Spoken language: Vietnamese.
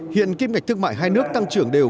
hiện kim ngạch thương mại hai nước tăng trưởng đều